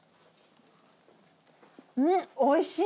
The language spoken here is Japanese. うんおいしい！